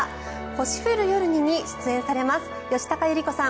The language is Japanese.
「星降る夜に」に出演されます吉高由里子さん